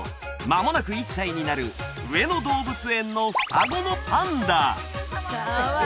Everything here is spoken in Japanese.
まもなく１歳になる上野動物園の双子のパンダ！